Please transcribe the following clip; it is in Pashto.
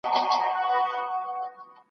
پروت په سترګو کي مي رنګ، رنګ د نشو دی